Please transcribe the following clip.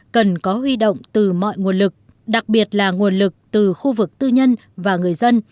cần có huy động từ mọi nguồn lực đặc biệt là nguồn lực từ khu vực tư nhân và người dân